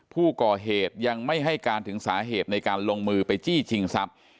ผู้ก่อเหตุยังไม่ให้การถึงสาเหตุในการลงมือไปจี้ชิงทรัพย์